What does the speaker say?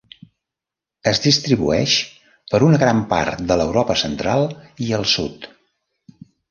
Es distribueix per una gran part de l'Europa central i el sud.